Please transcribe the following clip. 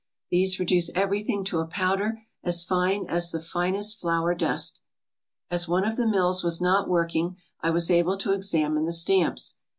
These reduce everything to a powder as fine as the finest flour dust. " As one of the mills was not working, I was able to ex amine the stamps.